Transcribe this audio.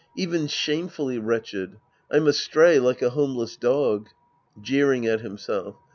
Even shamefully wretched. I'm astray like a homeless dog. {Jeering at himself!)